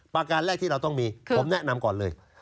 การแรกที่เราต้องมีผมแนะนำก่อนเลย